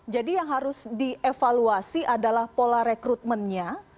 jadi yang harus dievaluasi adalah pola rekrutmennya